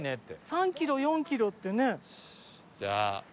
３キロ４キロってね。